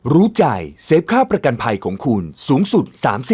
รู้ใจเซฟค่าประกันภัยของคุณสูงสุด๓๐